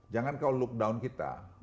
jangan kau look down kita